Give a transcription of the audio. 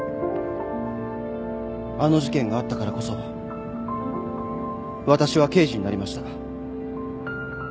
あの事件があったからこそ私は刑事になりました